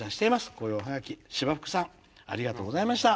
こういうおハガキしばふくさんありがとうございました。